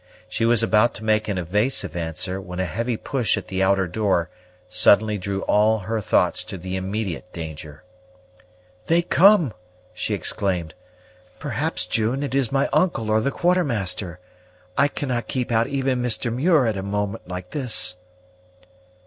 She was about to make an evasive answer, when a heavy push at the outer door suddenly drew all her thoughts to the immediate danger. "They come!" she exclaimed. "Perhaps, June, it is my uncle or the Quartermaster. I cannot keep out even Mr. Muir at a moment like this."